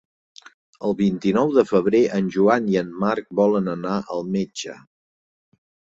El vint-i-nou de febrer en Joan i en Marc volen anar al metge.